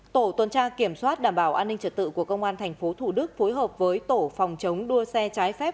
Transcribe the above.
tổ tuần tra kiểm soát đảm bảo an ninh trật tự của công an tp thủ đức phối hợp với tổ phòng chống đua xe trái phép